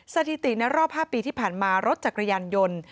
สถิตินอกรอบที่ผ่านมารถจากกระยันยนต์